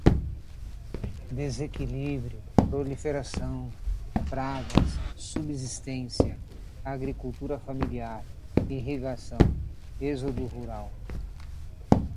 desequilíbrio, proliferação, pragas, subsistência, agricultura familiar, irrigação, êxodo rural